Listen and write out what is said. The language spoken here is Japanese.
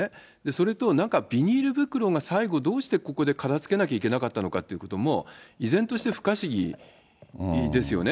それと、なんかビニール袋が最後どうしてここで片づけなきゃいけなかったのかということも、依然として不可思議ですよね。